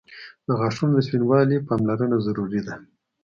• د غاښونو د سپینوالي پاملرنه ضروري ده.